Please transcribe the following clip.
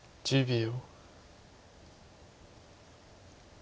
１０秒。